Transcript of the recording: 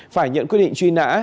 phải nhận quyết định truy nã